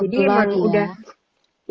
jadi emang udah